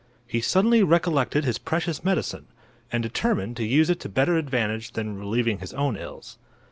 He suddenly recollected his precious medicine, and determined to use it to better advantage than relieving his own ills.